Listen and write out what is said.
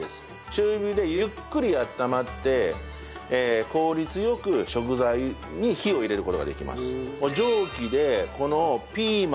中火でゆっくり温まって効率良く食材に火を入れる事ができます。